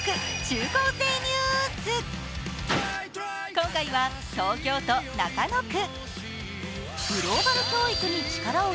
今回は東京都中野区。